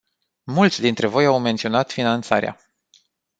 Mulți dintre voi au menționat finanțarea.